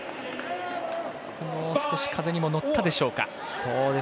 少し風にも乗ったでしょうか。